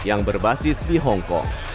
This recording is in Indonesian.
yang berbasis di hong kong